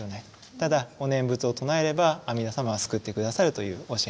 ただお念仏を唱えれば阿弥陀様は救って下さるという教えなんですね。